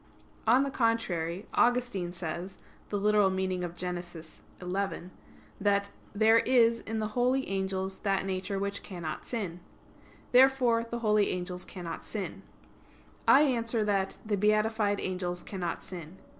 On the contrary, Augustine says (Gen. ad lit. xi) that "there is in the holy angels that nature which cannot sin." Therefore the holy angels cannot sin. I answer that, The beatified angels cannot sin.